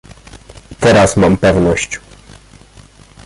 "Teraz mam pewność."